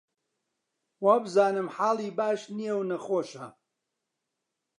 وابزانم حاڵی باش نییە و نەخۆشە